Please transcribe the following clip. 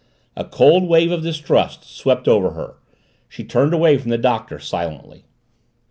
A cold wave of distrust swept over her she turned away from the Doctor silently.